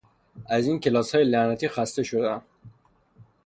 از این کلاسهای لعنتی خسته شدهام!